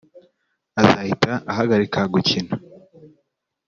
azahita ahagarika gukina